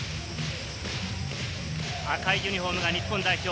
赤ユニホームが日本代表。